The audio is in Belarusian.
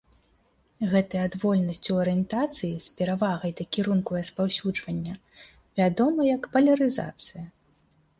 Гэтая адвольнасць ў арыентацыі з перавагай да кірунку распаўсюджвання вядома як палярызацыя.